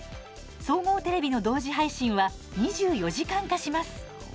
総合テレビの同時配信は２４時間化します。